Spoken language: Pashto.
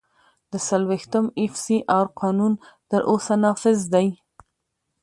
د څلوېښتم اېف سي آر قانون تر اوسه نافذ دی.